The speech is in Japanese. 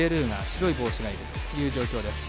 白い帽子がいるという状況です。